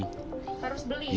harus beli ya